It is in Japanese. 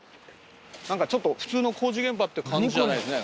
ちょっと普通の工事現場って感じじゃないですね。